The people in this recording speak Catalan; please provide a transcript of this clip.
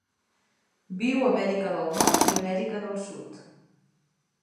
Viu a Amèrica del Nord i Amèrica del Sud.